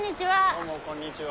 どうもこんにちは。